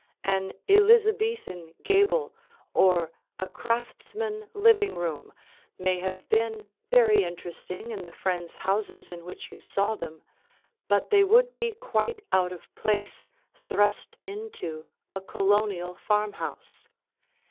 An Elizabethan gable or a craftsman living room may have been very interesting in the friends' houses in which you saw them, but they would be quite out of place thrust into a Colonial farmhouse.